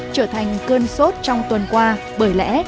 trở thành cương sốt trong tuần qua bởi lẽ